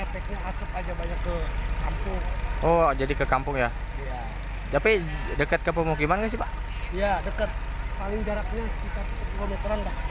paling jaraknya sekitar dua meter rendah